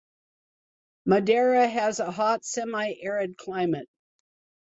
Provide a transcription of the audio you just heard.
Madera has a hot semi-arid climate.